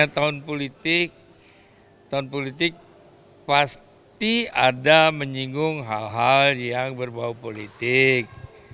tuan politik pasti ada menyinggung hal hal yang berbau politik